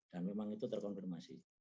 dan memang itu terkonfirmasi